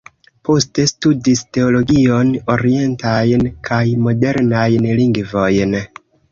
Poste studis teologion, orientajn kaj modernajn lingvojn.